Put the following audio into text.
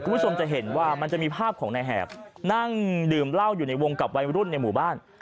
คุณผู้ชมจะเห็นว่ามันจะมีภาพของนายแหบนั่งดื่มเหล้าอยู่ในวงกับวัยรุ่นในหมู่บ้าน